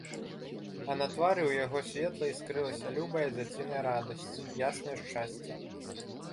А на твары ў яго светла іскрылася любая дзяціная радасць, яснае шчасце.